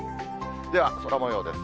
では、空もようです。